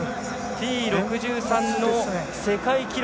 Ｔ６３の世界記録